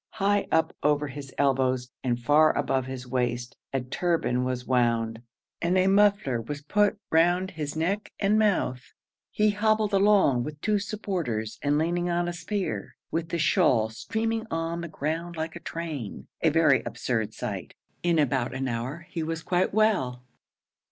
High up under his elbows, and far above his waist, a turban was wound, and a muffler was put round his neck and mouth; he hobbled along with two supporters and leaning on a spear, with the shawl streaming on the ground like a train a very absurd sight. In about an hour he was quite well.